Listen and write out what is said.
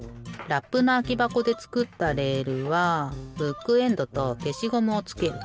ラップのあきばこでつくったレールはブックエンドとけしゴムをつける。